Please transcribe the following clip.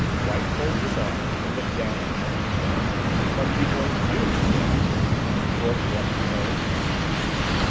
White folded his arms and looked down on her. "What are you going to do?" he asked, in short, brusque tones.